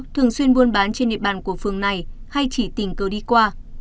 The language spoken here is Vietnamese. thường xuyên buôn bán trên địa bàn của phường này hay chỉ tỉnh cầu đi qua